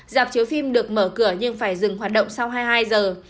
dạp chiếu phim được mở cửa nhưng phải dừng hoạt động sau hai mươi hai giờ